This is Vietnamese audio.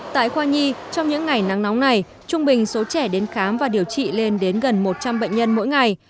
tại khoa nhi trong những ngày nắng nóng này trung bình số trẻ đến khám và điều trị lên đến gần một trăm linh bệnh nhân mỗi ngày